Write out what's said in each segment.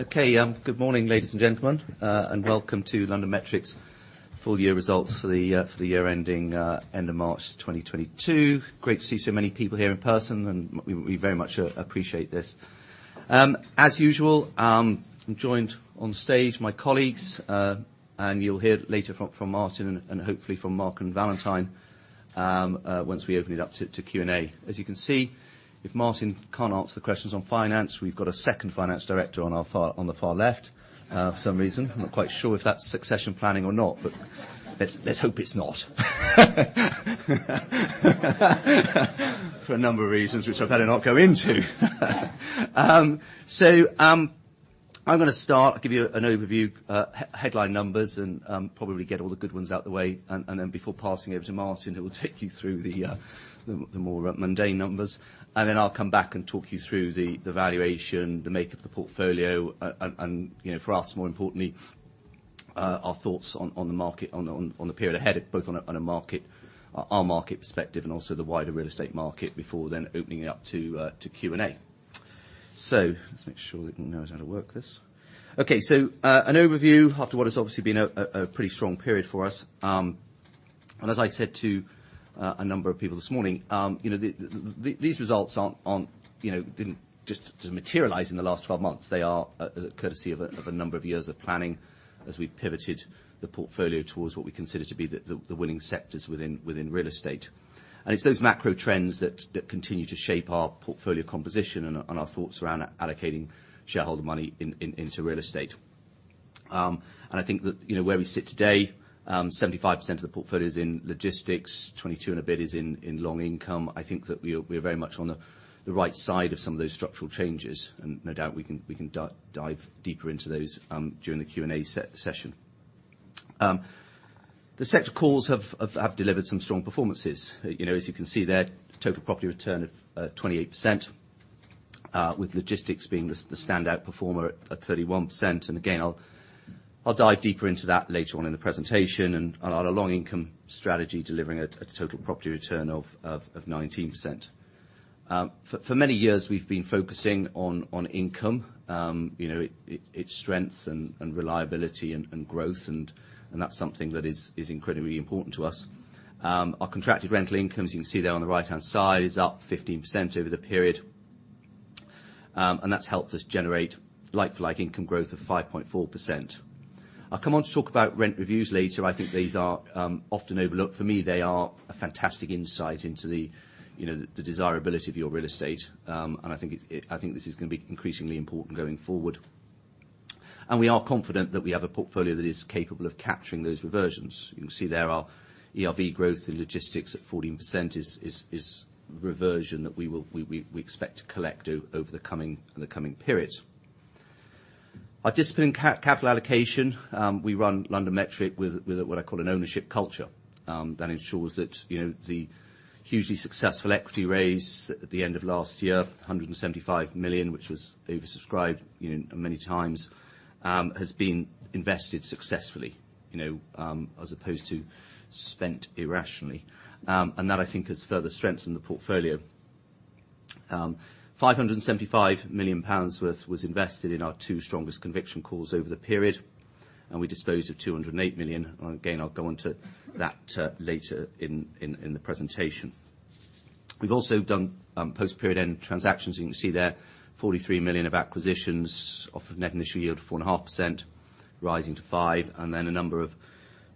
Okay. Good morning, ladies and gentlemen, and welcome to LondonMetric's full year results for the year ending end of March 2022. Great to see so many people here in person, and we very much appreciate this. As usual, I'm joined on stage, my colleagues. You'll hear later from Martin and hopefully from Mark and Valentine once we open it up to Q&A. As you can see, if Martin can't answer the questions on finance, we've got a second finance director on the far left for some reason. I'm not quite sure if that's succession planning or not, but let's hope it's not. For a number of reasons which I better not go into. I'm gonna start, give you an overview, headline numbers and probably get all the good ones out the way and then before passing over to Martin, who will take you through the more mundane numbers. Then I'll come back and talk you through the valuation, the makeup of the portfolio. You know, for us, more importantly, our thoughts on the market on the period ahead, both on a market our market perspective and also the wider real estate market before then opening it up to Q&A. Let's make sure that he knows how to work this. Okay. An overview after what has obviously been a pretty strong period for us. As I said to a number of people this morning, you know, these results aren't, you know, didn't just materialize in the last 12 months. They are a courtesy of a number of years of planning as we pivoted the portfolio towards what we consider to be the winning sectors within real estate. It's those macro trends that continue to shape our portfolio composition and our thoughts around allocating shareholder money into real estate. I think that, you know, where we sit today, 75% of the portfolio is in logistics, 22 and a bit is in long income. I think that we're very much on the right side of some of those structural changes, and no doubt we can dive deeper into those during the Q&A session. The sector calls have delivered some strong performances. You know, as you can see there, total property return of 28%, with logistics being the standout performer at 31%. Again, I'll dive deeper into that later on in the presentation and our long income strategy delivering a total property return of 19%. For many years we've been focusing on income. You know, its strength and reliability and growth and that's something that is incredibly important to us. Our contracted rental incomes, you can see there on the right-hand side, is up 15% over the period. That's helped us generate like-for-like income growth of 5.4%. I'll come on to talk about rent reviews later. I think these are often overlooked. For me, they are a fantastic insight into the, you know, the desirability of your real estate. I think it I think this is gonna be increasingly important going forward. We are confident that we have a portfolio that is capable of capturing those reversions. You can see there our ERV growth in logistics at 14% is reversion that we will expect to collect over the coming periods. Our disciplined capital allocation, we run LondonMetric with what I call an ownership culture, that ensures that, you know, the hugely successful equity raise at the end of last year, 175 million, which was oversubscribed, you know, many times, has been invested successfully, you know, as opposed to spent irrationally. That I think has further strengthened the portfolio. 575 million pounds worth was invested in our two strongest conviction calls over the period, and we disposed of 208 million. Again, I'll go on to that later in the presentation. We've also done post-period end transactions. You can see there 43 million of acquisitions off a net initial yield of 4.5% rising to 5%, and then a number of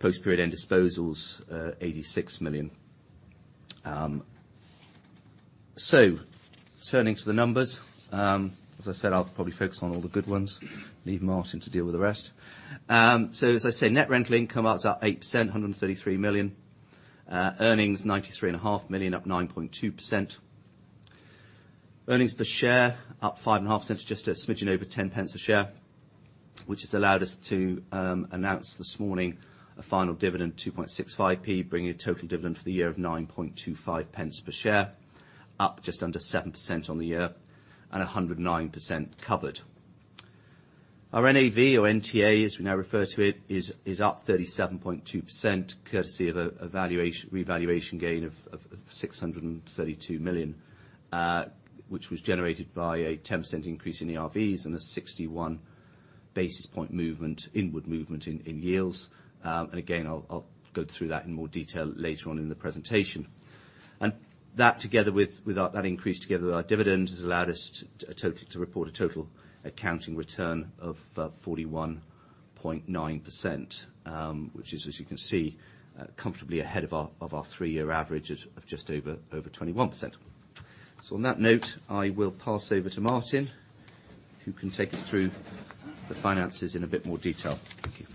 post-period end disposals, eighty-six million. Turning to the numbers, as I said, I'll probably focus on all the good ones, leave Martin to deal with the rest. As I say, net rental income up 8%, 133 million. Earnings, 93.5 million, up 9.2%. Earnings per share up 5.5% to just a smidgen over 10 pence a share, which has allowed us to announce this morning a final dividend, 2.65p, bringing a total dividend for the year of 9.25 pence per share, up just under 7% on the year and 109% covered. Our NAV or NTA, as we now refer to it, is up 37.2% courtesy of a revaluation gain of 632 million, which was generated by a 10% increase in ERVs and a 61 basis point inward movement in yields. Again, I'll go through that in more detail later on in the presentation. That together with that increase together with our dividend has allowed us to report a total accounting return of 41.9%, which is, as you can see, comfortably ahead of our three-year average of just over 21%. On that note, I will pass over to Martin, who can take us through the finances in a bit more detail. Thank you.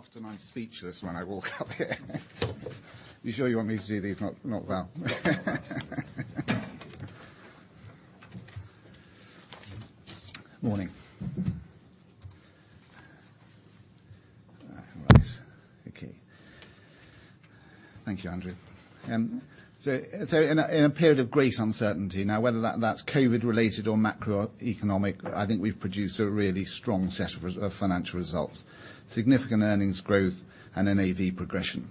Cheers, Martin. It's not often I'm speechless when I walk up here. You sure you want me to do these, not Val? Morning. All right. Okay. Thank you, Andrew. So in a period of great uncertainty, now whether that's COVID-related or macroeconomic, I think we've produced a really strong set of financial results. Significant earnings growth and NAV progression.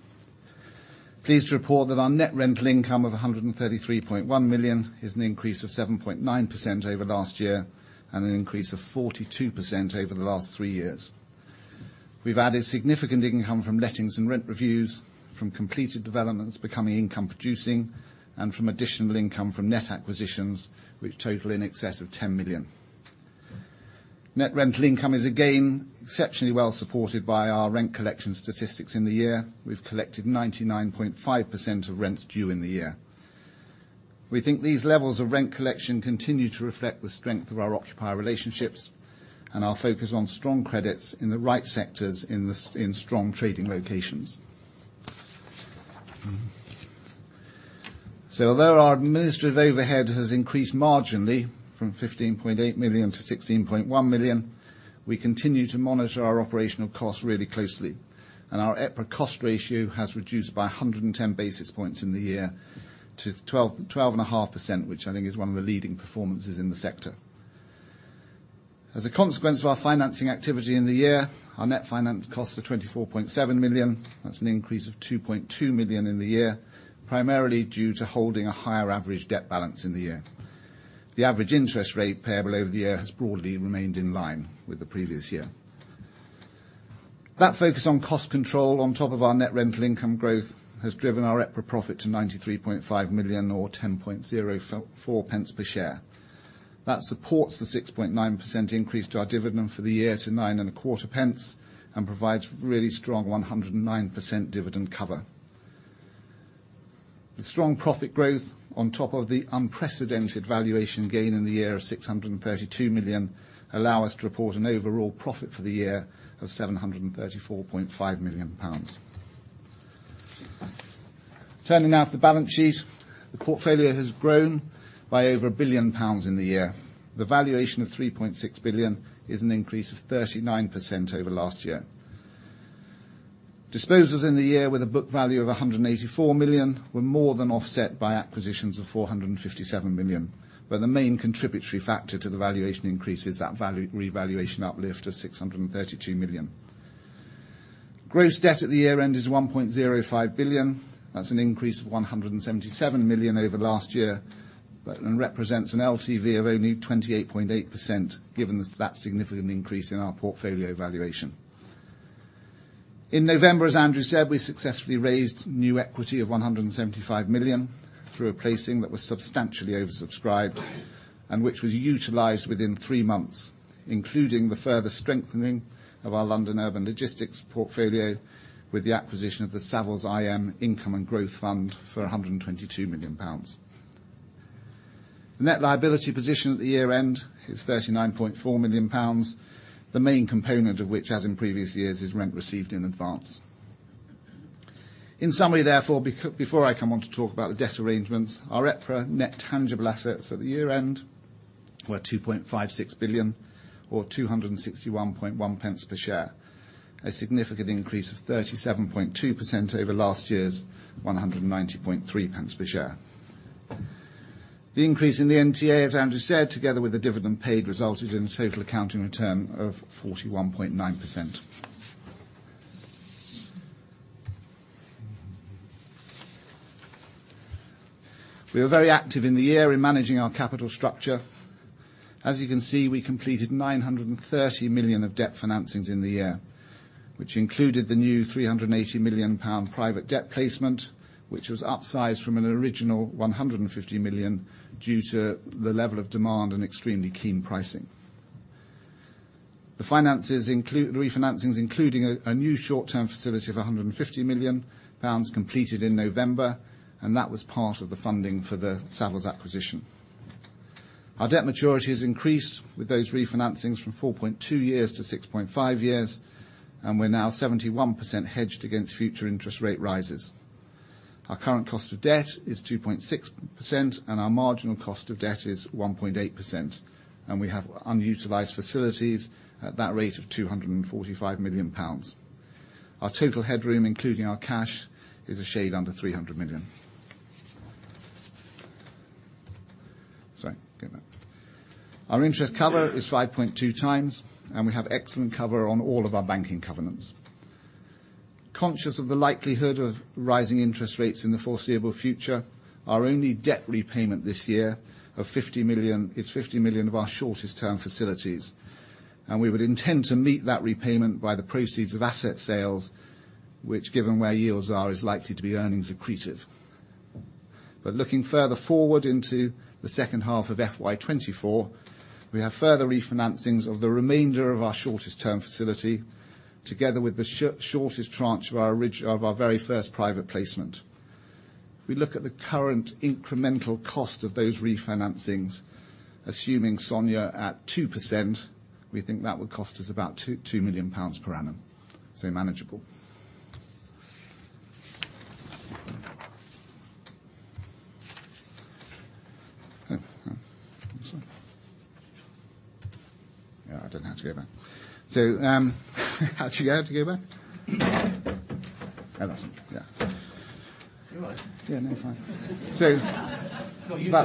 Pleased to report that our net rental income of 133.1 million is an increase of 7.9% over last year and an increase of 42% over the last three years. We've added significant income from lettings and rent reviews from completed developments becoming income producing and from additional income from net acquisitions which total in excess of 10 million. Net rental income is again exceptionally well supported by our rent collection statistics in the year. We've collected 99.5% of rents due in the year. We think these levels of rent collection continue to reflect the strength of our occupier relationships and our focus on strong credits in the right sectors in strong trading locations. Although our administrative overhead has increased marginally from 15.8 million to 16.1 million, we continue to monitor our operational costs really closely. Our EPRA cost ratio has reduced by 110 basis points in the year to 12%-12.5%, which I think is one of the leading performances in the sector. As a consequence of our financing activity in the year, our net finance costs are 24.7 million. That's an increase of 2.2 million in the year, primarily due to holding a higher average debt balance in the year. The average interest rate payable over the year has broadly remained in line with the previous year. That focus on cost control on top of our net rental income growth has driven our EPRA profit to 93.5 million or 10.00 pence per share. That supports the 6.9% increase to our dividend for the year to 9.25 pence and provides really strong 109% dividend cover. The strong profit growth on top of the unprecedented valuation gain in the year of 632 million allow us to report an overall profit for the year of 734.5 million pounds. Turning now to the balance sheet. The portfolio has grown by over 1 billion pounds in the year. The valuation of 3.6 billion is an increase of 39% over last year. Disposals in the year with a book value of 184 million were more than offset by acquisitions of 457 million, where the main contributory factor to the valuation increase is that value revaluation uplift of 632 million. Gross debt at the year-end is 1.05 billion. That's an increase of 177 million over last year, but it represents an LTV of only 28.8% given that significant increase in our portfolio valuation. In November, as Andrew said, we successfully raised new equity of 175 million through a placing that was substantially oversubscribed and which was utilized within three months, including the further strengthening of our London urban logistics portfolio with the acquisition of the Savills IM UK Income & Growth Fund for GBP 122 million. The net liability position at the year-end is 39.4 million pounds, the main component of which, as in previous years, is rent received in advance. In summary, therefore, before I come on to talk about the debt arrangements, our EPRA net tangible assets at the year-end were 2.56 billion or 261.1 pence per share, a significant increase of 37.2% over last year's 190.3 pence per share. The increase in the NTA, as Andrew said, together with the dividend paid, resulted in total accounting return of 41.9%. We were very active in the year in managing our capital structure. As you can see, we completed 930 million of debt financings in the year, which included the new 380 million pound private debt placement, which was upsized from an original 150 million due to the level of demand and extremely keen pricing. The refinancings, including a new short-term facility of 150 million pounds completed in November, and that was part of the funding for the Savills acquisition. Our debt maturity has increased with those refinancings from 4.2 years to 6.5 years, and we're now 71% hedged against future interest rate rises. Our current cost of debt is 2.6% and our marginal cost of debt is 1.8%, and we have unutilized facilities at that rate of 245 million pounds. Our total headroom, including our cash, is a shade under 300 million. Our interest cover is 5.2 times, and we have excellent cover on all of our banking covenants. Conscious of the likelihood of rising interest rates in the foreseeable future, our only debt repayment this year of 50 million is 50 million of our shortest term facilities. We would intend to meet that repayment by the proceeds of asset sales, which given where yields are, is likely to be earnings accretive. Looking further forward into the H2 of FY2024, we have further refinancings of the remainder of our shortest term facility, together with the shortest tranche of our very first private placement. If we look at the current incremental cost of those refinancings, assuming SONIA at 2%, we think that would cost us about 2 million pounds per annum. Manageable. What's that? Yeah, I don't know how to go back. How do you go back? Fantastic, yeah. You all right? Yeah, no, fine.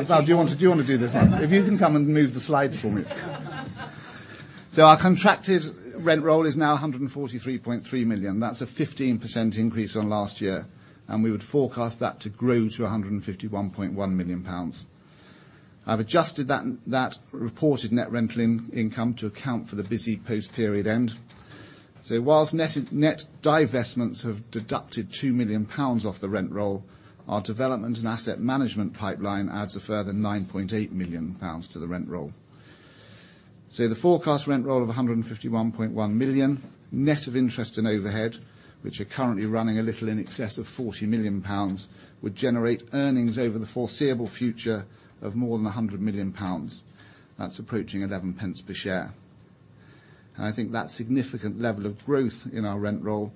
Val, do you want to do this one? If you can come and move the slides for me. Our contracted rent roll is now 143.3 million. That's a 15% increase on last year, and we would forecast that to grow to 151.1 million pounds. I've adjusted that reported net rental income to account for the busy post period end. Whilst net divestments have deducted 2 million pounds off the rent roll, our development and asset management pipeline adds a further 9.8 million pounds to the rent roll. The forecast rent roll of 151.1 million, net of interest and overhead, which are currently running a little in excess of 40 million pounds, would generate earnings over the foreseeable future of more than 100 million pounds. That's approaching 11 pence per share. I think that significant level of growth in our rent roll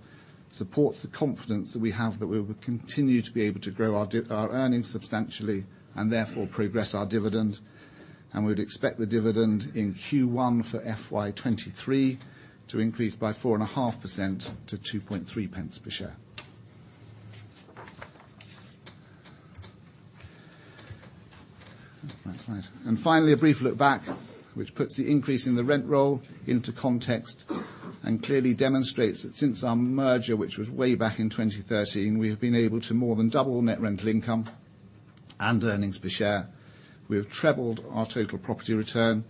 supports the confidence that we have that we will continue to be able to grow our earnings substantially and therefore progress our dividend, and we'd expect the dividend in Q1 for FY 2023 to increase by 4.5% to 2.3 pence per share. That's right. Finally, a brief look back which puts the increase in the rent roll into context and clearly demonstrates that since our merger, which was way back in 2013, we have been able to more than double net rental income and earnings per share. We have trebled our total property return,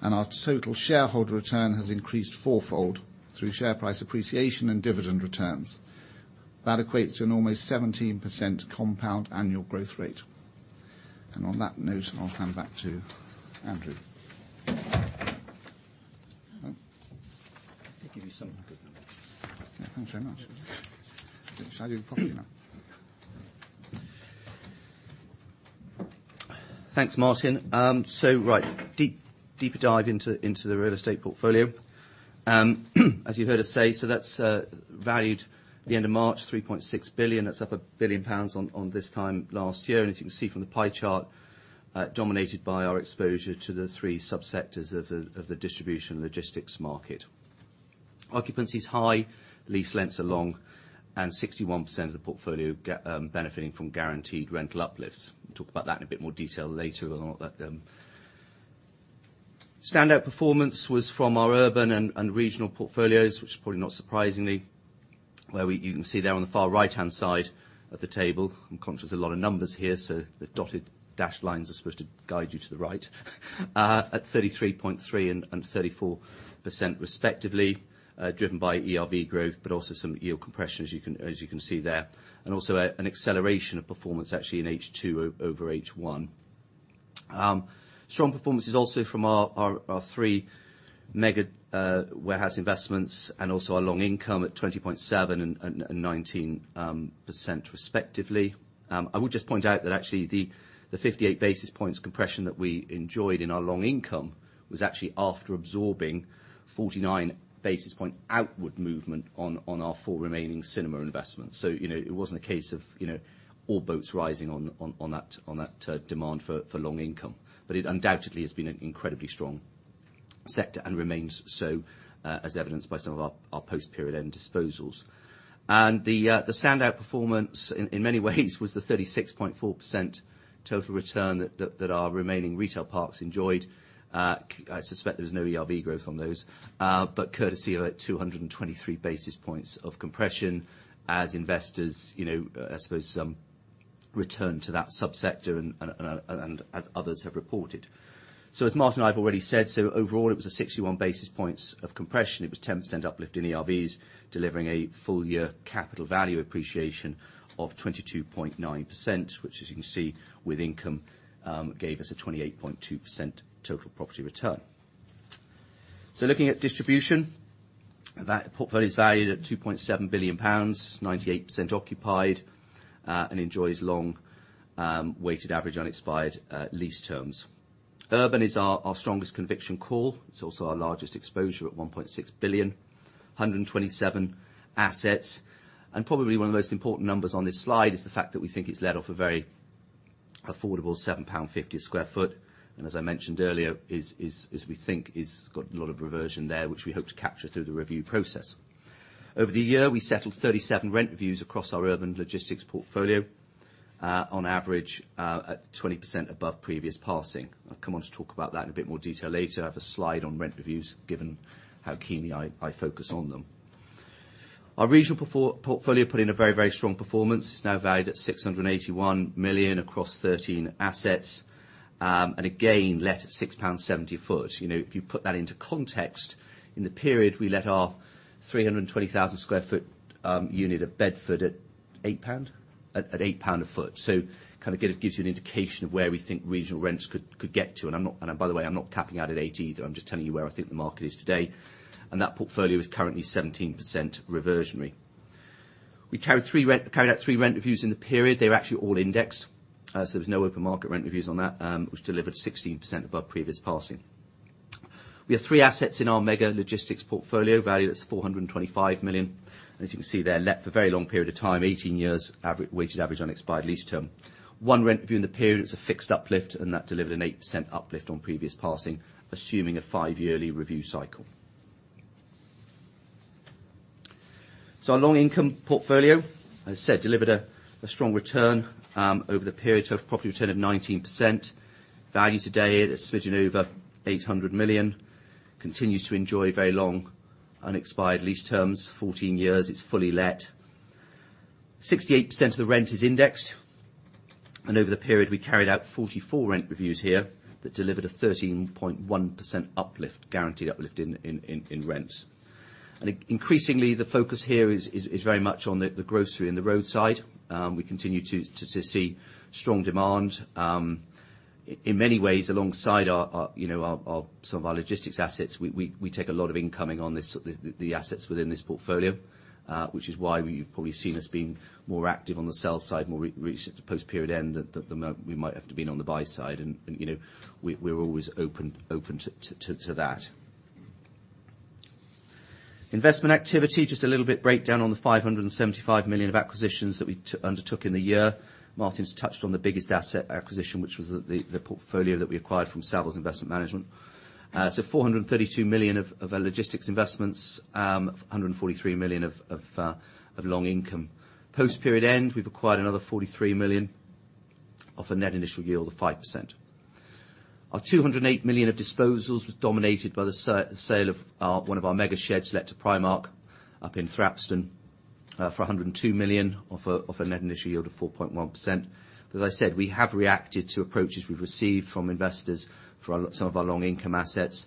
and our total shareholder return has increased fourfold through share price appreciation and dividend returns. That equates to an almost 17% compound annual growth rate. On that note, I'll hand back to Andrew. Let me give you some good news. Yeah, thanks very much. Shall I do the property now? Thanks, Martin. Right. Deep dive into the real estate portfolio. As you heard us say, that's valued at the end of March, 3.6 billion. That's up 1 billion pounds on this time last year. As you can see from the pie chart, dominated by our exposure to the three subsectors of the distribution logistics market. Occupancy is high, lease lengths are long, and 61% of the portfolio benefiting from guaranteed rental uplifts. We'll talk about that in a bit more detail later on. Standout performance was from our urban and regional portfolios, which probably not surprisingly, you can see there on the far right-hand side of the table. I'm conscious there's a lot of numbers here, so the dotted dash lines are supposed to guide you to the right. At 33.3 and 34% respectively, driven by ERV growth, but also some yield compression as you can see there. Also an acceleration of performance actually in H2 over H1. Strong performance is also from our three mega warehouse investments and also our long income at 20.7 and 19% respectively. I would just point out that actually the 58 basis points compression that we enjoyed in our long income was actually after absorbing 49 basis point outward movement on our four remaining cinema investments. It wasn't a case of, you know, all boats rising on that demand for long income. It undoubtedly has been an incredibly strong sector and remains so, as evidenced by some of our post-period end disposals. The standout performance in many ways was the 36.4% total return that our remaining retail parks enjoyed. I suspect there was no ERV growth on those, but courtesy of 223 basis points of compression as investors, you know, I suppose, returned to that subsector and as others have reported. As Martin and I have already said, overall, it was 61 basis points of compression. It was 10% uplift in ERVs, delivering a full-year capital value appreciation of 22.9%, which as you can see with income, gave us a 28.2% total property return. Looking at distribution, that portfolio is valued at 2.7 billion pounds. It's 98% occupied, and enjoys long, weighted average unexpired lease terms. Urban is our strongest conviction call. It's also our largest exposure at 1.6 billion, 127 assets. Probably one of the most important numbers on this slide is the fact that we think it's let at a very affordable 7.50 pound/sq ft. As I mentioned earlier, we think it's got a lot of reversion there, which we hope to capture through the review process. Over the year, we settled 37 rent reviews across our urban logistics portfolio, on average, at 20% above previous passing. I'll come on to talk about that in a bit more detail later. I have a slide on rent reviews, given how keenly I focus on them. Our regional portfolio put in a very, very strong performance. It's now valued at 681 million across 13 assets. And again, let at £6.70 a sq ft. You know, if you put that into context, in the period, we let our 320,000 sq ft unit at Bedford at £8 a sq ft. It gives you an indication of where we think regional rents could get to. By the way, I'm not capping out at eight either. I'm just telling you where I think the market is today. That portfolio is currently 17% reversionary. We carried out three rent reviews in the period. They were actually all indexed, as there was no open market rent reviews on that, which delivered 16% above previous passing. We have 3 assets in our mega logistics portfolio, value that's 425 million. As you can see there, let for a very long period of time, 18 years weighted average unexpired lease term. One rent review in the period, it's a fixed uplift, and that delivered an 8% uplift on previous passing, assuming a five-yearly review cycle. Our long income portfolio, as I said, delivered a strong return over the period of property return of 19%. Value today is a smidgen over 800 million. Continues to enjoy very long, unexpired lease terms, 14 years. It's fully let. 68% of the rent is indexed, and over the period, we carried out 44 rent reviews here that delivered a 13.1% uplift, guaranteed uplift in rents. Increasingly, the focus here is very much on the grocery and the roadside. We continue to see strong demand. In many ways, alongside our, you know, some of our logistics assets, we take a lot of incoming on the assets within this portfolio. Which is why you've probably seen us being more active on the sell side, more post period end than we might have been on the buy side and, you know, we're always open to that. Investment activity, just a little bit breakdown on the 575 million of acquisitions that we undertook in the year. Martin touched on the biggest asset acquisition, which was the portfolio that we acquired from Savills Investment Management. 432 million of our logistics investments, 143 million of long income. Post-period end, we've acquired another 43 million at a net initial yield of 5%. Our 208 million of disposals was dominated by the sale of our one of our mega sheds let to Primark up in Thrapston, for 102 million, at a net initial yield of 4.1%. As I said, we have reacted to approaches we've received from investors for some of our long income assets,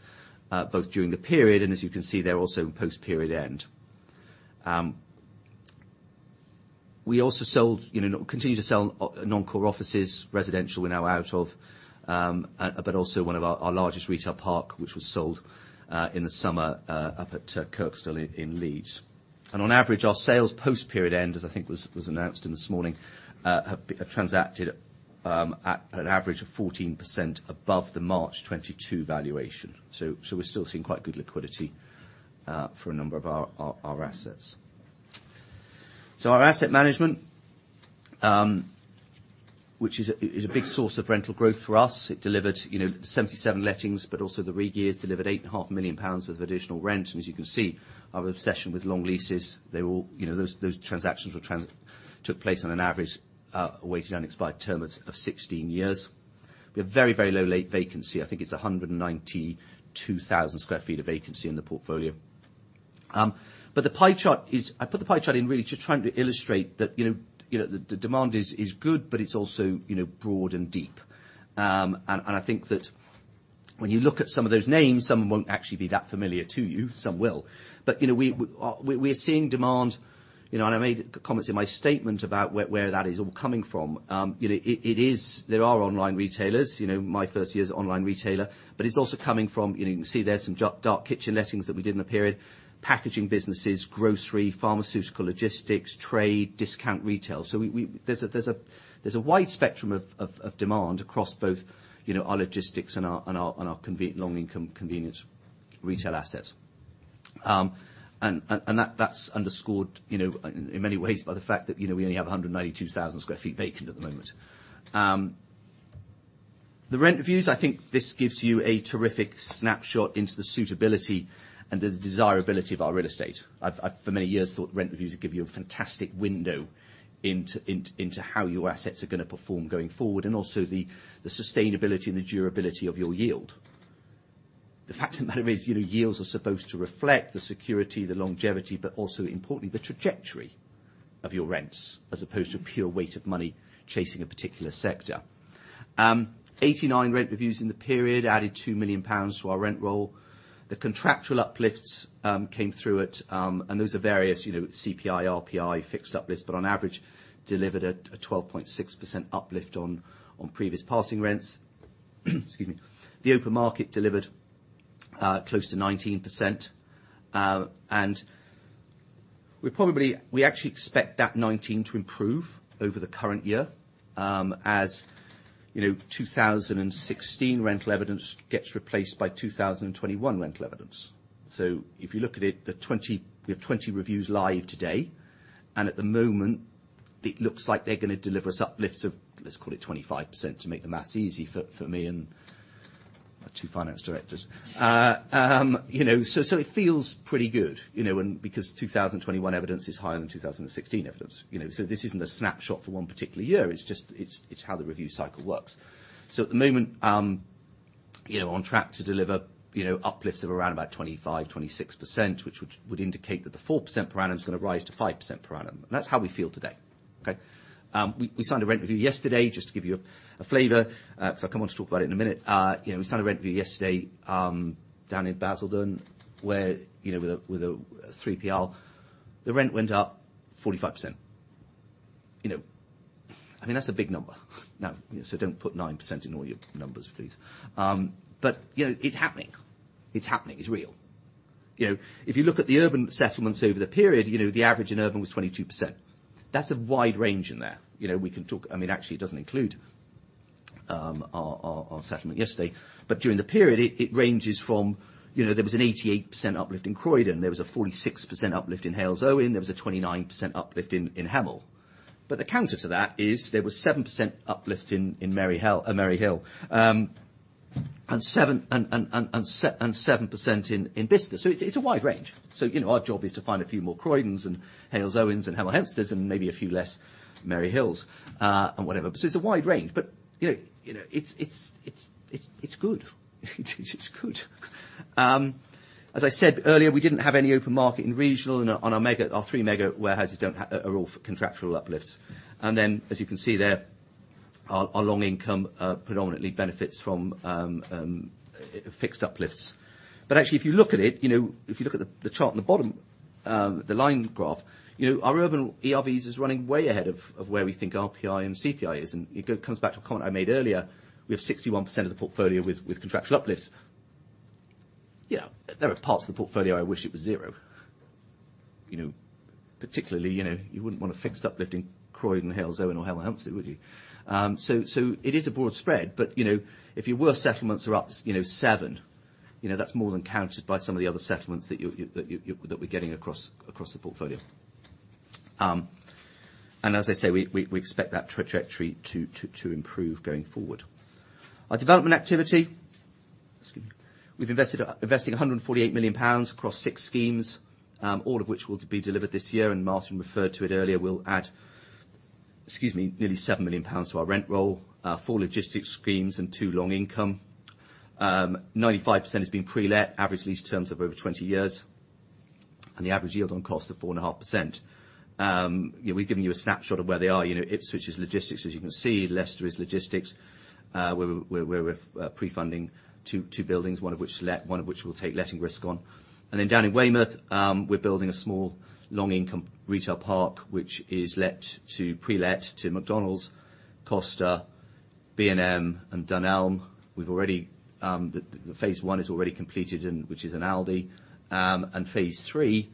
both during the period, and as you can see, they're also post period end. We also sold, you know, continue to sell non-core offices, residential we're now out of, but also one of our largest retail park, which was sold in the summer up at Kirkstall in Leeds. On average, our sales post period end, as I think was announced this morning, have transacted at an average of 14% above the March 2022 valuation. We're still seeing quite good liquidity for a number of our assets. Our asset management, which is a big source of rental growth for us. It delivered, you know, 77 lettings, but also the regears delivered eight and a half million pounds worth of additional rent. As you can see, our obsession with long leases, they all, you know, those transactions took place on an average, weighted unexpired term of 16 years. We have very low late vacancy. I think it's 192,000 sq ft of vacancy in the portfolio. The pie chart is. I put the pie chart in really just trying to illustrate that, you know, the demand is good, but it's also, you know, broad and deep. I think that when you look at some of those names, some won't actually be that familiar to you. Some will. You know, we're seeing demand, you know, and I made comments in my statement about where that is all coming from. You know, it is. There are online retailers, you know, My 1st Years online retailer, but it's also coming from, you know, you can see there's some dark kitchen lettings that we did in the period, packaging businesses, grocery, pharmaceutical, logistics, trade, discount retail. There's a wide spectrum of demand across both, you know, our logistics and our long income convenience retail assets. And that's underscored, you know, in many ways by the fact that, you know, we only have 192,000 sq ft vacant at the moment. The rent reviews, I think this gives you a terrific snapshot into the suitability and the desirability of our real estate. I've for many years thought rent reviews give you a fantastic window into how your assets are gonna perform going forward, and also the sustainability and the durability of your yield. The fact of the matter is, you know, yields are supposed to reflect the security, the longevity, but also importantly, the trajectory of your rents, as opposed to pure weight of money chasing a particular sector. 89 rent reviews in the period added 2 million pounds to our rent roll. The contractual uplifts came through at. And those are various, you know, CPI, RPI, fixed uplifts, but on average, delivered a 12.6% uplift on previous passing rents. The open market delivered close to 19%. We actually expect that 19% to improve over the current year, as you know, 2016 rental evidence gets replaced by 2021 rental evidence. If you look at it, the 20, we have 20 reviews live today, and at the moment it looks like they're gonna deliver us uplifts of, let's call it 25% to make the math easy for me and my two finance directors. You know, it feels pretty good, you know, and because 2021 evidence is higher than 2016 evidence. This isn't a snapshot for one particular year, it's just how the review cycle works. At the moment, you know, on track to deliver, you know, uplifts of around about 25-26%, which would indicate that the 4% per annum is gonna rise to 5% per annum. That's how we feel today. Okay? We signed a rent review yesterday, just to give you a flavor, 'cause I kind of want to talk about it in a minute. You know, we signed a rent review yesterday, down in Basildon, where, you know, with a 3PL. The rent went up 45%. You know, I mean, that's a big number. Now, don't put 9% in all your numbers, please. You know, it's happening. It's happening. It's real. You know, if you look at the urban settlements over the period, you know, the average in urban was 22%. That's a wide range in there. You know, we can talk. I mean, actually, it doesn't include our settlement yesterday. During the period, it ranges from, you know, there was an 88% uplift in Croydon. There was a 46% uplift in Halesowen. There was a 29% uplift in Hemel. The counter to that is there was 7% uplift in Maryhill. And 7% in Bicester. It's a wide range. You know, our job is to find a few more Croydons and Halesowens and Hemel Hempsteads and maybe a few less Maryhills, and whatever. It's a wide range, but, you know, it's good. It's good. As I said earlier, we didn't have any open market in regional and on our three mega warehouses are all for contractual uplifts. Then, as you can see there, our long income predominantly benefits from fixed uplifts. Actually, if you look at it, you know, if you look at the chart on the bottom, the line graph, you know, our urban ERVs is running way ahead of where we think RPI and CPI is. It comes back to a comment I made earlier. We have 61% of the portfolio with contractual uplifts. Yeah. There are parts of the portfolio I wish it was zero. You know, particularly, you know, you wouldn't want a fixed uplift in Croydon, Halesowen or Hemel Hempstead, would you? So it is a broad spread, but, you know, if your worst settlements are up 7%, you know, that's more than countered by some of the other settlements that we're getting across the portfolio. As I say, we expect that trajectory to improve going forward. Our development activity. We're investing 148 million pounds across 6 schemes, all of which will be delivered this year, and Martin referred to it earlier. We'll add nearly 7 million pounds to our rent roll. Four logistics schemes and two long income. 95% has been pre-let, average lease terms of over 20 years, and the average yield on cost of 4.5%. You know, we've given you a snapshot of where they are. You know, Ipswich is logistics, as you can see. Leicester is logistics. We're pre-funding two buildings, one of which is let, one of which we'll take letting risk on. Then down in Weymouth, we're building a small long income retail park, which is let to pre-let to McDonald's, Costa, B&M and Dunelm. We've already, the phase one is already completed, and which is an Aldi. Phase three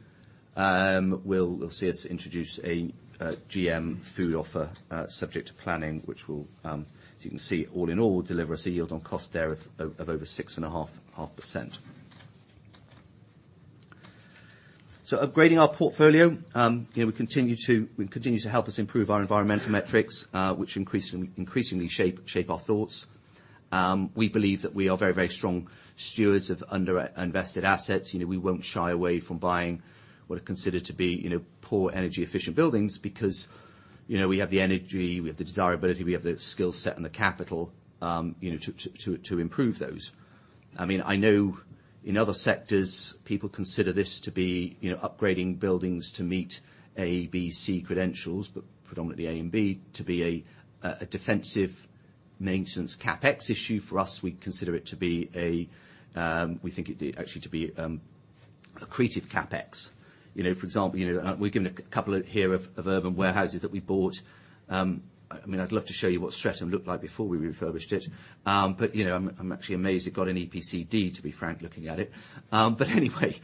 will see us introduce a GM food offer, subject to planning, which, as you can see, all in all, deliver us a yield on cost there of over 6.5%. Upgrading our portfolio. You know, we continue to help us improve our environmental metrics, which increasingly shape our thoughts. We believe that we are very strong stewards of under-invested assets. You know, we won't shy away from buying what are considered to be, you know, poor energy efficient buildings because, you know, we have the energy, we have the desirability, we have the skill set and the capital, you know, to improve those. I mean, I know in other sectors, people consider this to be, you know, upgrading buildings to meet ABC credentials, but predominantly A and B, to be a defensive maintenance CapEx issue. For us, we consider it to be a, we think it actually to be accretive CapEx. You know, for example, you know, we've given a couple here of urban warehouses that we bought. I mean, I'd love to show you what Streatham looked like before we refurbished it. But, you know, I'm actually amazed it got an EPC D, to be frank, looking at it. But anyway,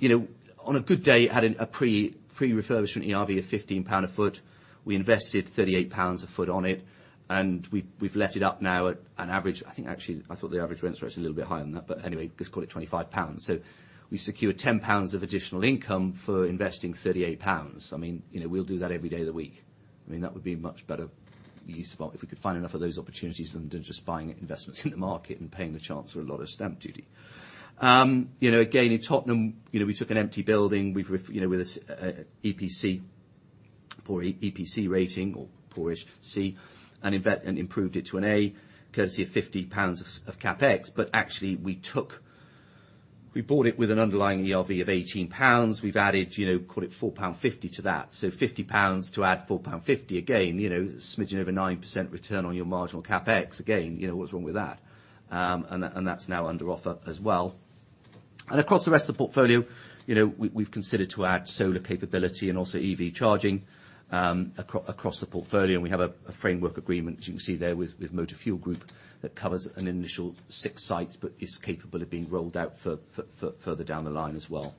you know, on a good day, it had a pre-refurbishment ERV of 15 pound a foot. We invested 38 pounds a foot on it, and we've let it up now at an average. I think actually, I thought the average rent's a little bit higher than that, but anyway, let's call it GBP 25. We secured GBP 10 of additional income for investing GBP 38. I mean, you know, we'll do that every day of the week. I mean, that would be much better use of if we could find enough of those opportunities than just buying investments in the market and paying the chancellor a lot of stamp duty. You know, again, in Tottenham, you know, we took an empty building. We've you know, with an EPC rating of poor-ish C, and improved it to an A, courtesy of 50 pounds of CapEx. But actually we bought it with an underlying ERV of 18 pounds. We've added, you know, call it 4.50 pound to that. 50 pounds to add 4.50 pound. Again, you know, smidgen over 9% return on your marginal CapEx. Again, you know, what's wrong with that? That's now under offer as well. Across the rest of the portfolio, you know, we've considered to add solar capability and also EV charging across the portfolio. We have a framework agreement, as you can see there, with Motor Fuel Group that covers an initial 6 sites, but is capable of being rolled out further down the line as well.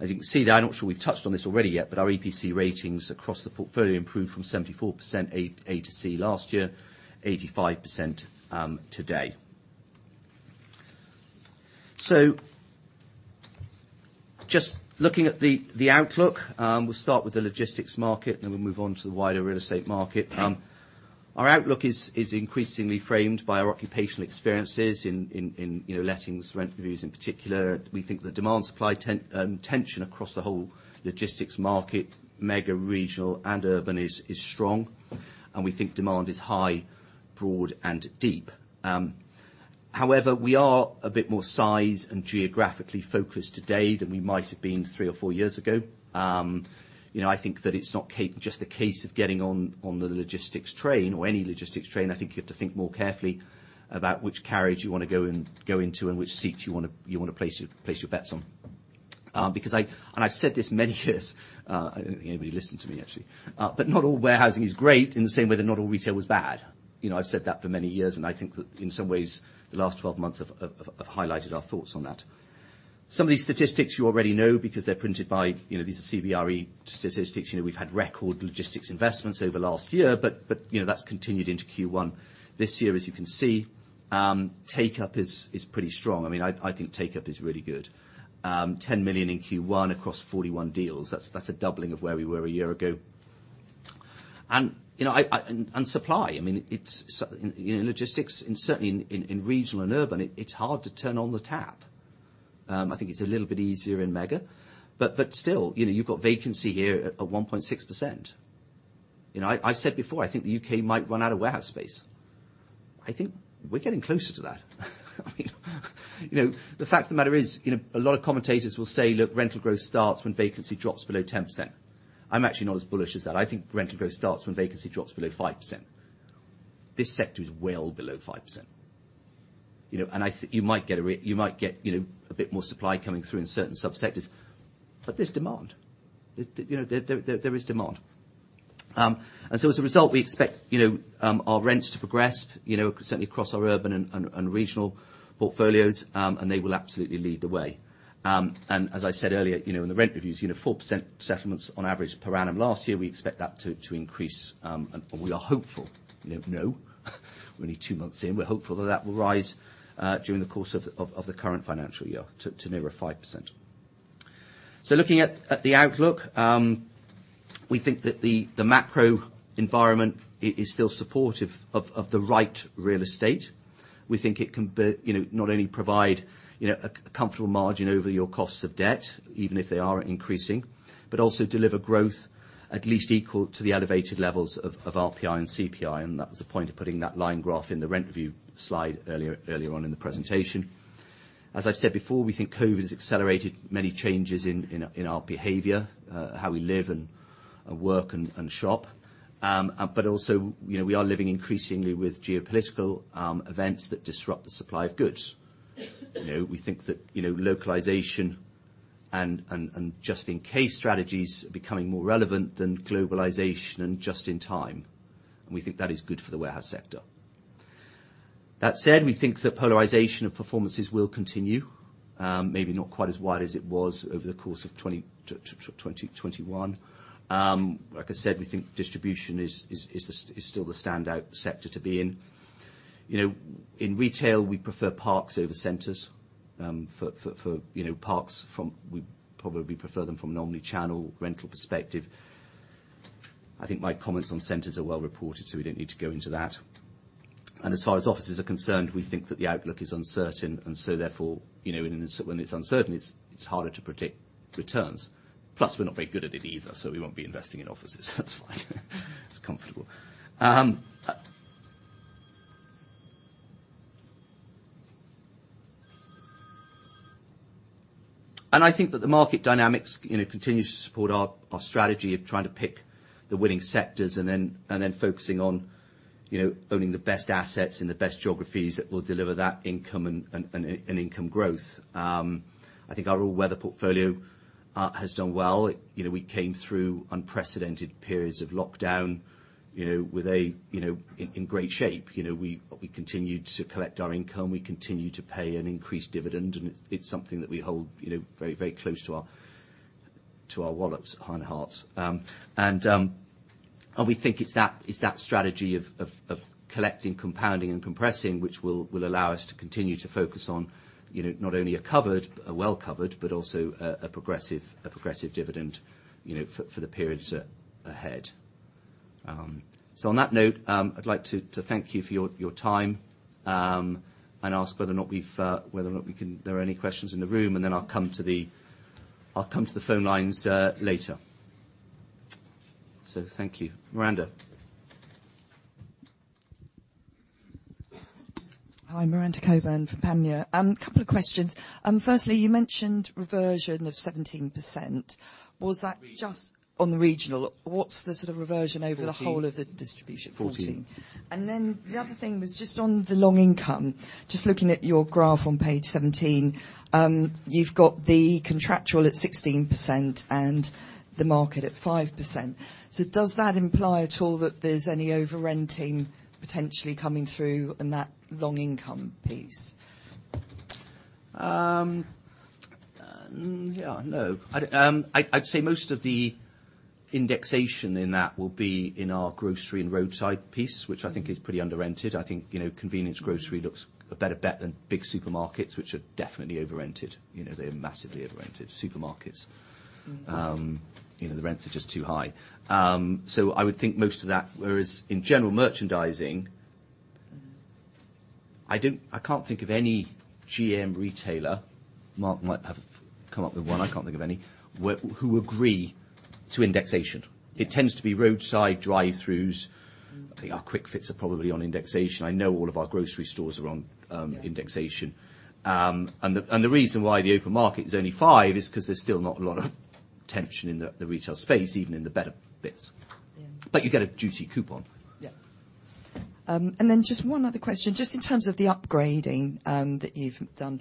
As you can see there, I'm not sure we've touched on this already yet, but our EPC ratings across the portfolio improved from 74% A to C last year, 85%, today. Just looking at the outlook, we'll start with the logistics market, and then we'll move on to the wider real estate market. Our outlook is increasingly framed by our occupational experiences in you know lettings, rent reviews in particular. We think the demand-supply tension across the whole logistics market, mega, regional, and urban is strong, and we think demand is high, broad and deep. However, we are a bit more size and geographically focused today than we might have been three or four years ago. You know, I think that it's not just a case of getting on the logistics train or any logistics train. I think you have to think more carefully about which carriage you wanna go into and which seat you wanna place your bets on. Because I've said this many years, I don't think anybody listened to me actually. Not all warehousing is great in the same way that not all retail was bad. You know, I've said that for many years, and I think that in some ways, the last 12 months have highlighted our thoughts on that. Some of these statistics you already know because they're printed by, you know. These are CBRE statistics. You know, we've had record logistics investments over last year, that's continued into Q1 this year, as you can see, take-up is pretty strong. I mean, I think take-up is really good. 10 million in Q1 across 41 deals. That's a doubling of where we were a year ago. You know, supply, I mean, it's so. You know, logistics and certainly in regional and urban, it's hard to turn on the tap. I think it's a little bit easier in mega, but still, you know, you've got vacancy here at 1.6%. You know, I've said before, I think the UK might run out of warehouse space. I think we're getting closer to that. I mean, you know, the fact of the matter is, you know, a lot of commentators will say, "Look, rental growth starts when vacancy drops below 10%." I'm actually not as bullish as that. I think rental growth starts when vacancy drops below 5%. This sector is well below 5%. You know, you might get, you know, a bit more supply coming through in certain subsectors, but there's demand. You know, there is demand. As a result we expect, you know, our rents to progress, you know, certainly across our urban and regional portfolios. They will absolutely lead the way. As I said earlier, you know, in the rent reviews, you know, 4% settlements on average per annum last year, we expect that to increase. We are hopeful, you know, we're only two months in, that that will rise during the course of the current financial year to nearer 5%. Looking at the outlook, we think that the macro environment is still supportive of the right real estate. We think it can be. You know, not only provide, you know, a comfortable margin over your costs of debt, even if they are increasing, but also deliver growth at least equal to the elevated levels of RPI and CPI, and that was the point of putting that line graph in the rent review slide earlier on in the presentation. As I've said before, we think COVID has accelerated many changes in our behavior, how we live and work and shop. Also, you know, we are living increasingly with geopolitical events that disrupt the supply of goods. You know, we think that, you know, localization and just-in-case strategy's becoming more relevant than globalization and just in time, and we think that is good for the warehouse sector. That said, we think the polarization of performances will continue, maybe not quite as wide as it was over the course of 2021. Like I said, we think distribution is still the standout sector to be in. You know, in retail we prefer parks over centers, for parks from an omni-channel rental perspective. I think my comments on centers are well reported, so we don't need to go into that. As far as offices are concerned, we think that the outlook is uncertain and so therefore, you know, when it's uncertain, it's harder to predict returns. Plus, we're not very good at it either, so we won't be investing in offices. That's fine. It's comfortable. I think that the market dynamics, you know, continues to support our strategy of trying to pick the winning sectors and then focusing on, you know, owning the best assets in the best geographies that will deliver that income and income growth. I think our all-weather portfolio has done well. You know, we came through unprecedented periods of lockdown in great shape. You know, we continued to collect our income, we continued to pay an increased dividend and it's something that we hold, you know, very, very close to our wallets and hearts. We think it's that strategy of collecting, compounding and compressing which will allow us to continue to focus on, you know, not only a well-covered but also a progressive dividend, you know, for the periods ahead. On that note, I'd like to thank you for your time and ask whether there are any questions in the room, and then I'll come to the phone lines later. Thank you. Miranda? Hi. Miranda Cockburn from Panmure. Couple of questions. Firstly, you mentioned reversion of 17%. Was that just- Fourteen. What's the sort of reversion over the whole of the- Fourteen. -distribution? Fourteen. The other thing was just on the long income, just looking at your graph on page 17, you've got the contractual at 16% and the market at 5%. Does that imply at all that there's any over-renting potentially coming through in that long income piece? Yeah. No. I'd say most of the indexation in that will be in our grocery and roadside piece. Mm-hmm. which I think is pretty under-rented. I think, you know, convenience grocery Mm-hmm. It looks a better bet than big supermarkets, which are definitely over-rented. You know, they're massively over-rented supermarkets. Mm-hmm. You know, the rents are just too high. I would think most of that, whereas in general merchandising. Mm-hmm. I can't think of any GM retailer. Mark might have come up with one. I can't think of any who agree to indexation. Yeah. It tends to be roadside drive-throughs. Mm-hmm. I think our quick fits are probably on indexation. I know all of our grocery stores are on indexation. Yeah. The reason why the open market is only five is 'cause there's still not a lot of tension in the retail space, even in the better bits. Yeah. You get a juicy coupon. Yeah. Just one other question. Just in terms of the upgrading that you've done,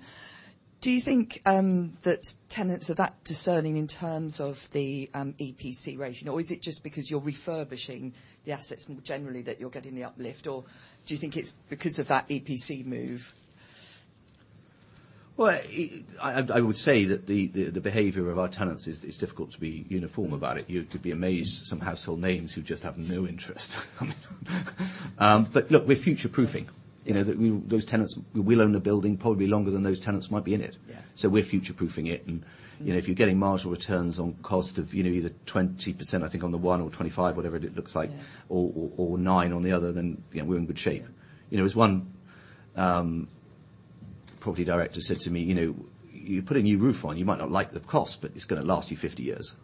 do you think that tenants are that discerning in terms of the EPC rating, or is it just because you're refurbishing the assets more generally that you're getting the uplift, or do you think it's because of that EPC move? Well, I would say that the behavior of our tenants is difficult to be uniform about it. You'd be amazed, some household names who just have no interest, but look, we're future-proofing. You know, those tenants, we will own the building probably longer than those tenants might be in it. Yeah. We're future-proofing it, and, you know, if you're getting marginal returns on cost of, you know, either 20%, I think, on the one or 25, whatever it looks like. Yeah nine on the other, you know, we're in good shape. You know, as one property director said to me, "You know, you put a new roof on, you might not like the cost, but it's gonna last you 50 years.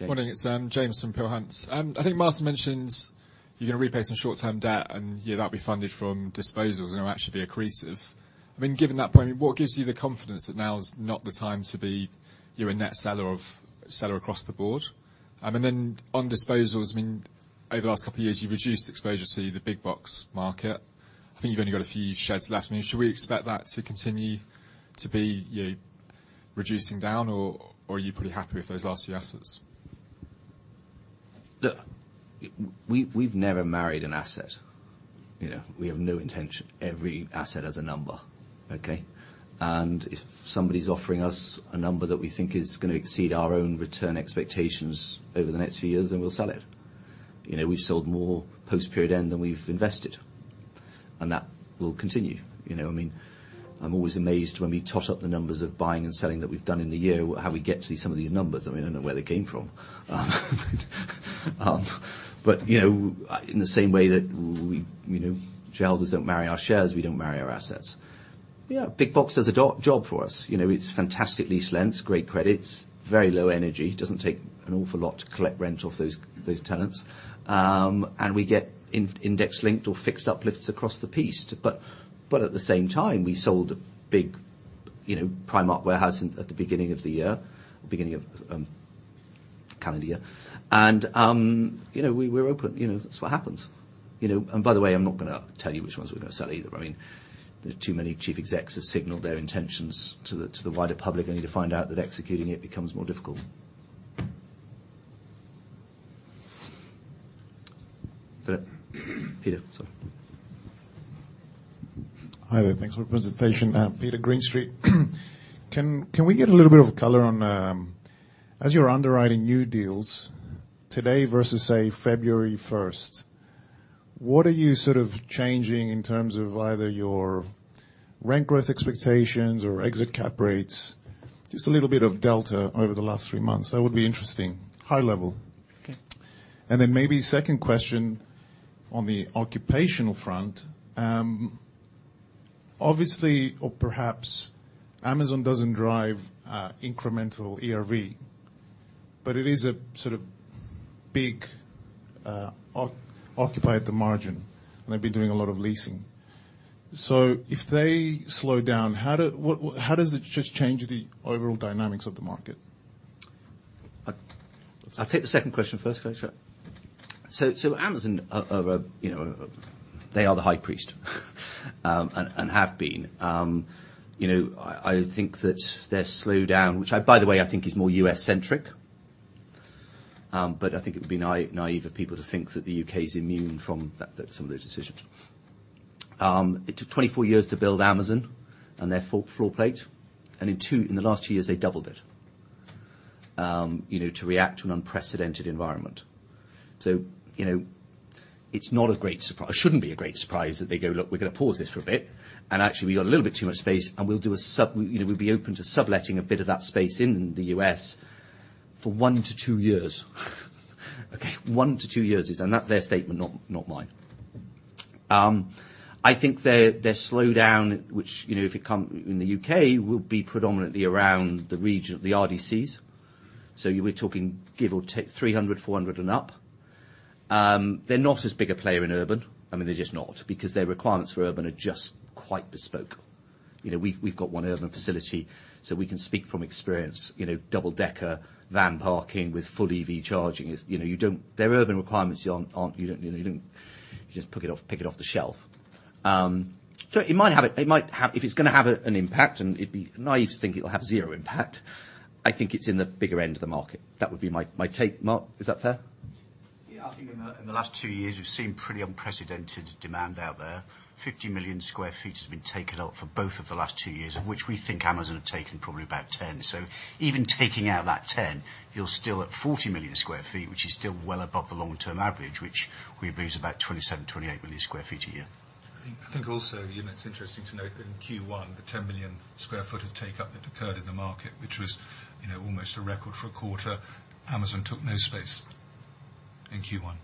Yeah. Yeah. James. Morning. It's James from Peel Hunt. I think Martin mentions you're gonna repay some short-term debt, and yeah, that'll be funded from disposals, and it'll actually be accretive. I mean, given that point, what gives you the confidence that now is not the time to be a net seller across the board? On disposals, I mean, over the last couple of years, you've reduced exposure to the big box market. I think you've only got a few sheds left. I mean, should we expect that to continue to be reducing down, or are you pretty happy with those last few assets? Look, we've never married an asset. You know? We have no intention. Every asset has a number, okay? If somebody's offering us a number that we think is gonna exceed our own return expectations over the next few years, then we'll sell it. You know, we've sold more post-period end than we've invested, and that will continue. You know what I mean? I'm always amazed when we tot up the numbers of buying and selling that we've done in the year, how we get to some of these numbers. I mean, I don't know where they came from. But, you know, in the same way that we, you know, shareholders don't marry our shares, we don't marry our assets. Yeah, big box does a good job for us. You know, it's fantastic lease lengths, great credits, very low energy. It doesn't take an awful lot to collect rent off those tenants. We get index-linked or fixed uplifts across the piece. But at the same time, we sold a big, you know, Primark warehouse in at the beginning of the year. The beginning of calendar year. You know, we're open. You know, that's what happens. You know, by the way, I'm not gonna tell you which ones we're gonna sell either. I mean, there are too many chief execs have signaled their intentions to the wider public only to find out that executing it becomes more difficult. Peter. Sorry. Hi there. Thanks for the presentation. I'm Peter Greenstreet. Can we get a little bit of color on as you're underwriting new deals today versus, say, February1st, what are you sort of changing in terms of either your rent growth expectations or exit cap rates? Just a little bit of delta over the last three months. That would be interesting. High level. Okay. Maybe second question on the occupational front. Obviously, or perhaps, Amazon doesn't drive incremental ERV, but it is a sort of big occupier on the margin, and they've been doing a lot of leasing. If they slow down, how does it just change the overall dynamics of the market? I'll take the second question first if that's right. Amazon are you know they are the high priest and have been. You know, I think that their slowdown, which by the way I think is more US-centric, but I think it would be naive of people to think that the UK is immune from that some of those decisions. It took 24 years to build Amazon and their floor plate, and in the last two years, they doubled it. You know, to react to an unprecedented environment. You know, it's not a great surprise. It shouldn't be a great surprise that they go, "Look, we're gonna pause this for a bit, and actually we got a little bit too much space, and we'll do a sub You know, we'll be open to subletting a bit of that space in the US for 1-2 years. Okay. 1-2 years is, and that's their statement not mine. I think their slowdown, which, you know, if it come in the UK will be predominantly around the region of the RDCs. We're talking give or take 300, 400 and up. They're not as big a player in urban. I mean, they're just not, because their requirements for urban are just quite bespoke. You know, we've got one urban facility, so we can speak from experience. You know, double-decker, van parking with full EV charging. It's, you know, you don't. Their urban requirements aren't. You don't. You just pick it off the shelf. So it might have a. It might have. If it's gonna have an impact, and it'd be naive to think it'll have zero impact, I think it's in the bigger end of the market. That would be my take. Mark, is that fair? Yeah. I think in the last two years, we've seen pretty unprecedented demand out there. 50 million sq ft has been taken up for both of the last two years, of which we think Amazon have taken probably about 10. Even taking out that 10, you're still at 40 million sq ft, which is still well above the long-term average, which we believe is about 27, 28 million sq ft a year. I think also, you know, it's interesting to note that in Q1, the 10 million sq ft of take-up that occurred in the market, which was, you know, almost a record for a quarter. Amazon took no space in Q1.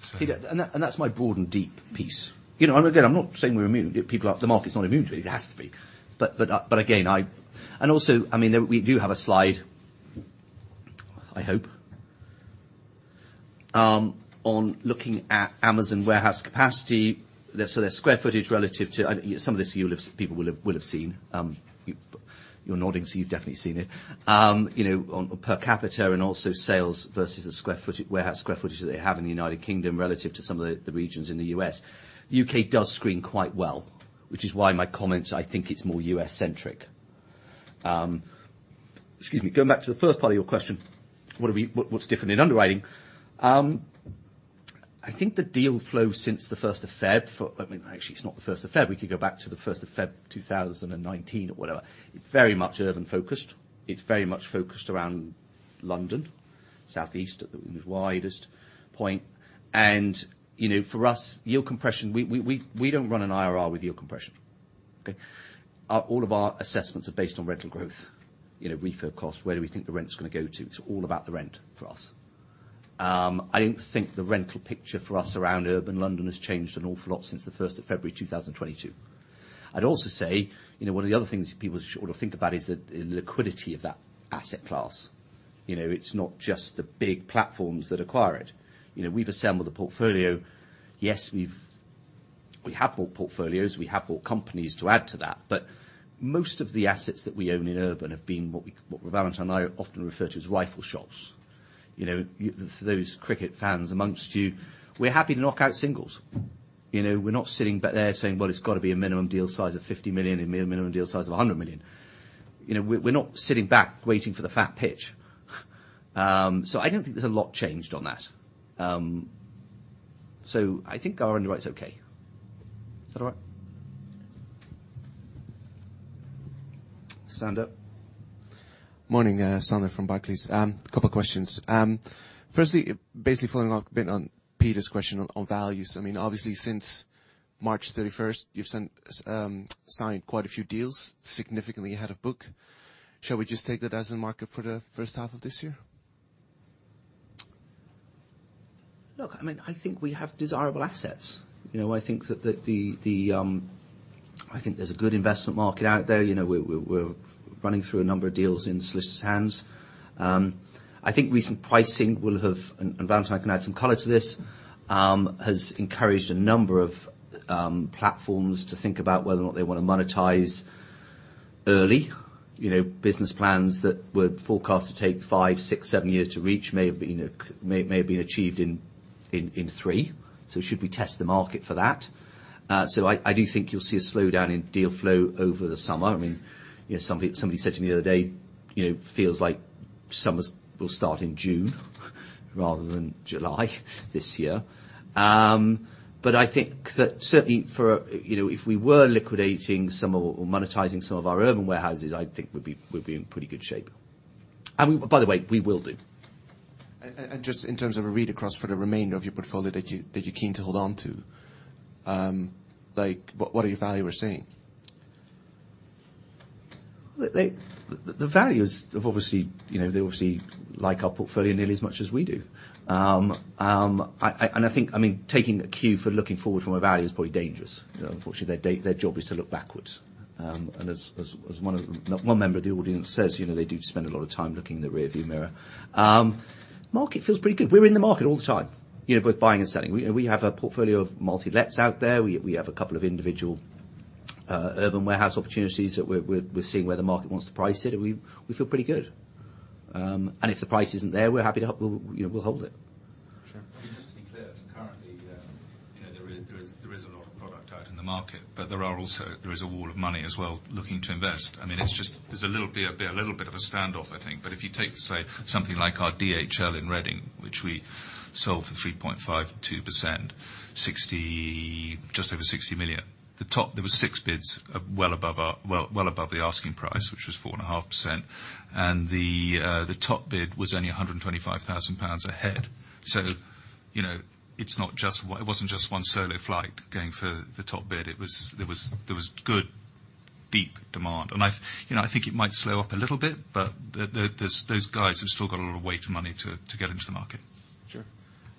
So Peter, that's my broad and deep piece. You know, again, I'm not saying we're immune. People are. The market's not immune to it has to be. Again, I mean, we do have a slide, I hope, on looking at Amazon warehouse capacity. Their square footage relative to. Some of this you'll have people will have seen. You're nodding, so you've definitely seen it. You know, on per capita and also sales versus the warehouse square footage that they have in the United Kingdom relative to some of the regions in the U.S. UK does screen quite well, which is why my comments, I think it's more U.S.-centric. Excuse me. Going back to the first part of your question, what are we. What's different in underwriting? I think the deal flow since the first of Feb. I mean, actually it's not the first of Feb, we could go back to the first of Feb 2019 or whatever. It's very much urban-focused, it's very much focused around London, South East at its widest point. You know, for us, yield compression. We don't run an IRR with yield compression. Okay. All of our assessments are based on rental growth, you know, refurb costs, where do we think the rent's gonna go to? It's all about the rent for us. I don't think the rental picture for us around urban London has changed an awful lot since the first of February 2022. I'd also say, you know, one of the other things people sort of think about is the liquidity of that asset class. You know, it's not just the big platforms that acquire it. You know, we've assembled a portfolio. Yes, we have bought portfolios, we have bought companies to add to that. Most of the assets that we own in urban have been what Valentine and I often refer to as rifle shots. You know, for those cricket fans amongst you, we're happy to knock out singles. You know, we're not sitting there saying, "Well, it's gotta be a minimum deal size of 50 million and minimum deal size of 100 million." You know, we're not sitting back waiting for the fat pitch. So I don't think there's a lot changed on that. So I think our underwrite's okay. Is that all right? Sander. Morning. Sander from Barclays. A couple questions. Firstly, basically following up a bit on Peter's question on values. I mean, obviously since March thirty-first you've signed quite a few deals significantly ahead of book. Shall we just take that as the market for the H1 of this year? Look, I mean, I think we have desirable assets. You know, I think there's a good investment market out there. You know, we're running through a number of deals in solicitors' hands. I think recent pricing will have, and Valentine can add some color to this, has encouraged a number of platforms to think about whether or not they wanna monetize early. You know, business plans that were forecast to take five, six, seven years to reach may have been achieved in three. Should we test the market for that? I do think you'll see a slowdown in deal flow over the summer. I mean, you know, somebody said to me the other day, you know, feels like summers will start in June rather than July this year. I think that certainly for, you know, if we were liquidating some of, or monetizing some of our urban warehouses, I think we'd be in pretty good shape. By the way, we will do. Just in terms of a read across for the remainder of your portfolio that you're keen to hold on to, like, what are your valuer saying? Well, the valuers have obviously, you know, they obviously like our portfolio nearly as much as we do. I think, I mean, taking a cue for looking forward from a valuer is probably dangerous. You know, unfortunately, their job is to look backwards. As one member of the audience says, you know, they do spend a lot of time looking in the rearview mirror. Market feels pretty good. We're in the market all the time, you know, both buying and selling. We have a portfolio of multi lets out there. We have a couple of individual urban warehouse opportunities that we're seeing where the market wants to price it, and we feel pretty good. If the price isn't there, we're happy to, you know, we'll hold it. Sure. Just to be clear, currently, you know, there is a lot of product out in the market, but there is also a wall of money as well looking to invest. I mean, it's just there's a little bit of a standoff I think. If you take, say, something like our DHL in Reading, which we sold for 3.52%, just over 60 million. There were six bids well above the asking price, which was 4.5%, and the top bid was only 125,000 pounds ahead. You know, it's not just It wasn't just one solo flight going for the top bid. It was. There was good deep demand. You know, I think it might slow up a little bit, but there's those guys who've still got a lot of weight of money to get into the market. Sure.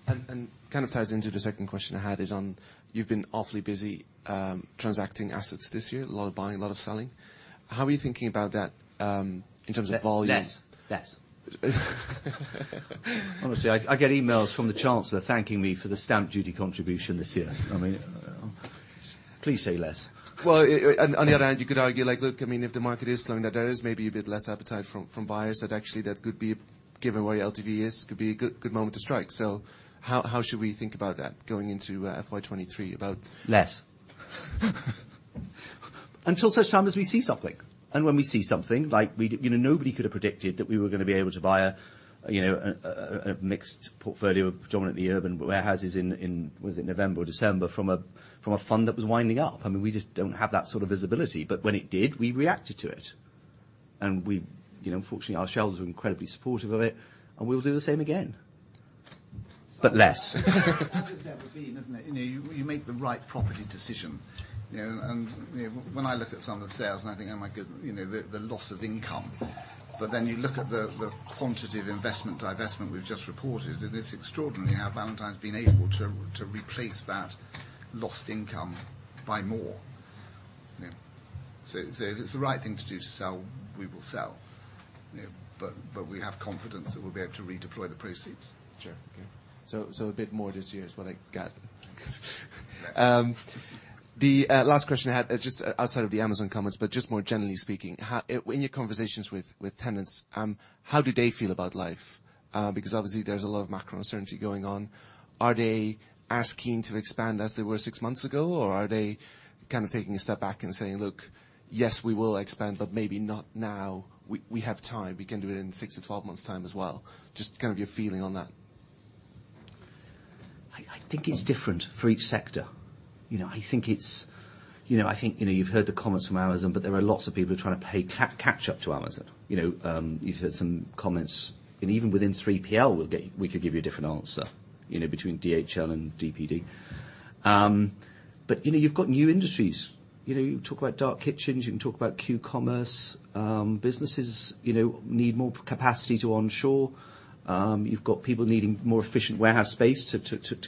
Kind of ties into the second question I had is on, you've been awfully busy, transacting assets this year. A lot of buying, a lot of selling. How are you thinking about that, in terms of volume? Less. Honestly, I get emails from the Chancellor thanking me for the stamp duty contribution this year. I mean, please say less. On the other hand, you could argue like, look, I mean, if the market is slowing down, there is maybe a bit less appetite from buyers that actually could be, given where your LTV is, could be a good moment to strike. How should we think about that going into FY23 about Less. Until such time as we see something, and when we see something, you know, nobody could have predicted that we were gonna be able to buy a, you know, a mixed portfolio of predominantly urban warehouses in, was it November or December, from a fund that was winding up. I mean, we just don't have that sort of visibility. When it did, we reacted to it. You know, fortunately our shareholders were incredibly supportive of it, and we'll do the same again. Less. That has ever been, isn't it? You know, you make the right property decision, you know. You know, when I look at some of the sales and I think, "Oh my God." You know, the loss of income, but then you look at the acquisitions and divestments we've just reported, and it's extraordinary how Valentine's been able to replace that lost income by more. You know. So if it's the right thing to do to sell, we will sell. You know. But we have confidence that we'll be able to redeploy the proceeds. Sure. Okay. A bit more this year is what I got. Less. The last question I had is just outside of the Amazon comments, but just more generally speaking, how, in your conversations with tenants, how do they feel about life? Because obviously there's a lot of macro uncertainty going on. Are they as keen to expand as they were 6 months ago, or are they kind of taking a step back and saying, "Look, yes, we will expand, but maybe not now. We have time. We can do it in six to 12 months' time as well." Just kind of your feeling on that. I think it's different for each sector. You know, you've heard the comments from Amazon, but there are lots of people who are trying to play catch up to Amazon. You know, you've heard some comments, and even within 3PL we could give you a different answer, you know, between DHL and DPD. You know, you've got new industries. You know, you can talk about dark kitchens, you can talk about Q-commerce. Businesses, you know, need more capacity to onshore. You've got people needing more efficient warehouse space to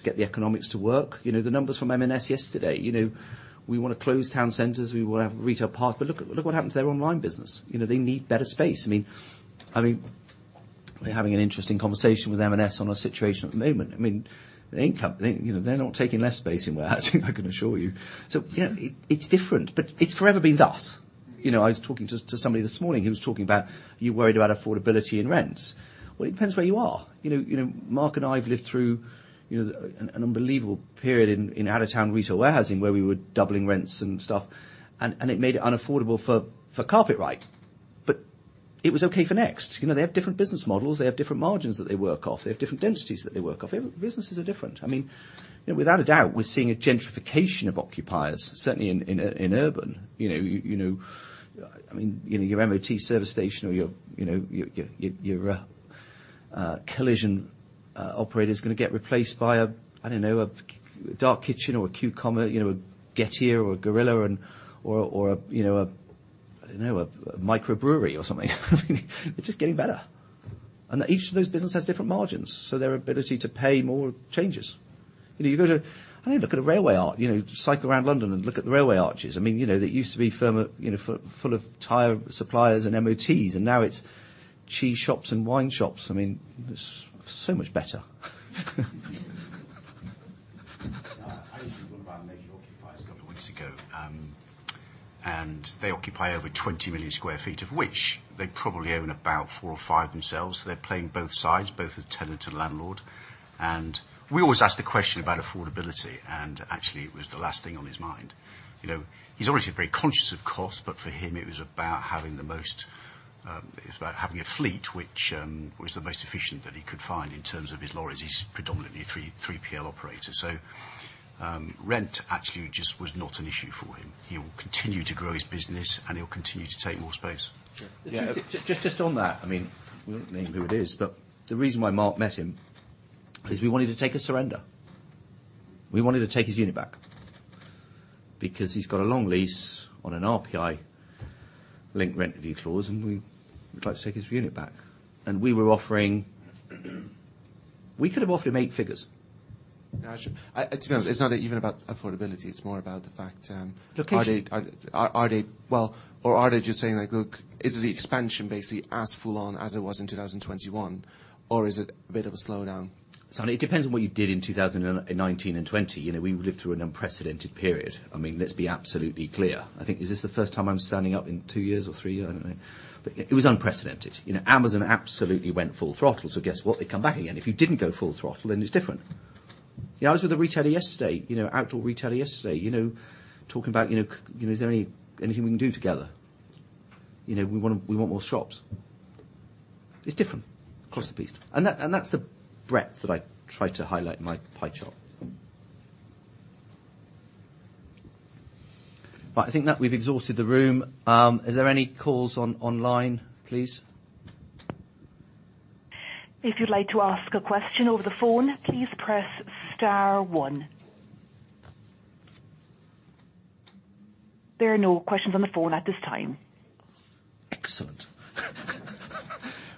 get the economics to work. You know, the numbers from M&S yesterday, you know, we wanna close town centers, we wanna have retail parks, but look at what happened to their online business. You know, they need better space. I mean, we're having an interesting conversation with M&S on our situation at the moment. I mean, the income, they, you know, they're not taking less space in warehousing, I can assure you. You know, it's different, but it's forever been thus. You know, I was talking to somebody this morning, he was talking about, are you worried about affordability and rents? Well, it depends where you are. You know, Mark and I have lived through you know, an unbelievable period in out-of-town retail warehousing where we were doubling rents and stuff and it made it unaffordable for Carpetright. It was okay for Next. You know, they have different business models, they have different margins that they work off, they have different densities that they work off. E-businesses are different. I mean, you know, without a doubt, we're seeing a gentrification of occupiers, certainly in urban. You know, you know, I mean, you know, your MOT service station or your collision operator's gonna get replaced by a, I don't know, a dark kitchen or a Q-commerce, you know, a Getir or a Gorillas or a, you know, a, I don't know, a microbrewery or something. I mean, they're just getting better. Each of those business has different margins, so their ability to pay more changes. You know, you go to, I mean, look at a railway arch, you know, cycle around London and look at the railway arches. I mean, you know, they used to be fuller, you know, full of tire suppliers and MOTs, and now it's cheese shops and wine shops. I mean, it's so much better. I actually got one of our major occupiers a couple of weeks ago, and they occupy over 20 million sq ft, of which they probably own about 4 or 5 themselves. They're playing both sides, both as tenant and landlord. We always ask the question about affordability, and actually it was the last thing on his mind. You know, he's obviously very conscious of cost, but for him, it was about having the most, it was about having a fleet which was the most efficient that he could find in terms of his lorries. He's predominantly a 3PL operator. Rent actually just was not an issue for him. He will continue to grow his business and he'll continue to take more space. Sure. Yeah. Just on that, I mean, we won't name who it is, but the reason why Mark met him is we want him to take a surrender. We want him to take his unit back because he's got a long lease on an RPI link rent review clause and we would like to take his unit back. We could have offered him eight figures. Yeah, sure. To be honest, it's not even about affordability, it's more about the fact. Location Are they? Well, or are they just saying like, "Look, is the expansion basically as full on as it was in 2021 or is it a bit of a slowdown? Sanjay, it depends on what you did in 2019 and 2020. You know, we lived through an unprecedented period. I mean, let's be absolutely clear. I think, is this the first time I'm standing up in two years or three? I don't know. But it was unprecedented. You know, Amazon absolutely went full throttle, so guess what? They come back again. If you didn't go full throttle, then it's different. You know, I was with a retailer yesterday, you know, outdoor retailer yesterday, you know, talking about, you know, "Is there anything we can do together? You know, we want more shops." It's different across the piece. That's the breadth that I tried to highlight in my pie chart. Right. I think that we've exhausted the room. Are there any calls online, please? If you'd like to ask a question over the phone, please press star one. There are no questions on the phone at this time. Excellent.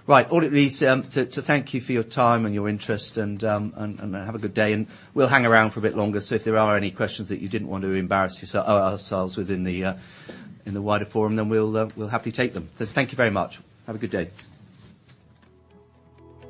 Right. Audience, to thank you for your time and your interest and have a good day and we'll hang around for a bit longer. If there are any questions that you didn't want to embarrass ourselves in the wider forum, then we'll happily take them. Just thank you very much. Have a good day.